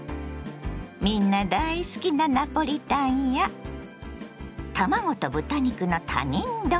みんな大好きなナポリタンや卵と豚肉の他人丼。